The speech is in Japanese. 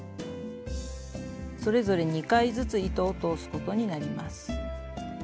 それぞれ２回ずつ糸を通すことになります。